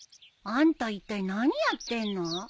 あんたいったい何やってんの？